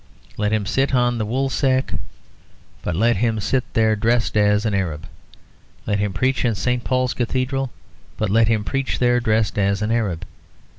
Let him sit on the Woolsack, but let him sit there dressed as an Arab. Let him preach in St. Paul's Cathedral, but let him preach there dressed as an Arab.